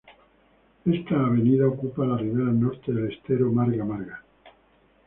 Esta avenida ocupa la ribera norte del Estero Marga Marga.